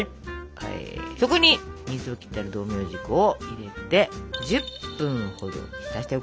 そこに水を切ってある道明寺粉を入れて１０分ほど浸しておく。